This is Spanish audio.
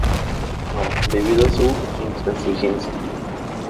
No" debido a su intransigencia.